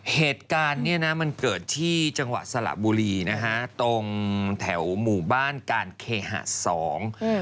เหตุการณ์เนี้ยนะมันเกิดที่จังหวัดสระบุรีนะฮะตรงแถวหมู่บ้านการเคหะสองอืม